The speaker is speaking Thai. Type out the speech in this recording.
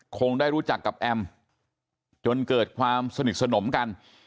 คงได้รู้จักกับแอมจนเกิดความสนิทสนมกัน